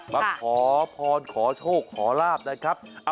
มาขอพรขอโชคขอลาบนะครับ